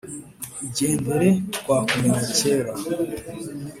igendere twakumenye kera »